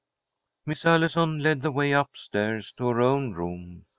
Miss Allison led the way up stairs to her own room.